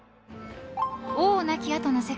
［王亡き後の世界］